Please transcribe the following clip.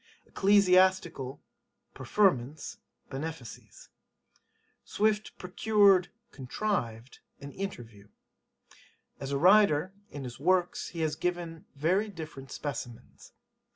Ecclesiastical [preferments] benefices. 'Swift [procured] contrived an interview. [As a writer] In his works he has given very different specimens.